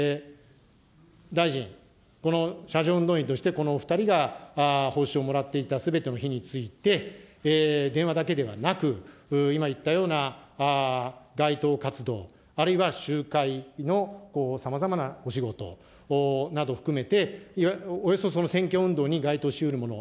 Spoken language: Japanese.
大臣、この車上運動員としてこのお２人が報酬をもらっていたすべての日について、電話だけではなく、今言ったような街頭活動、あるいは集会のさまざまなお仕事など含めて、およそその選挙運動に該当しうるもの